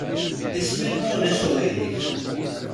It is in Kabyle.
Isem-im ma ulac aɣilif?